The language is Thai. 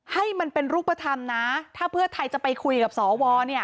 ให้มันเป็นรูปธรรมนะถ้าเพื่อไทยจะไปคุยกับสวเนี่ย